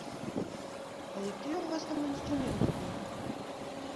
А якія ў вас там інструменты былі?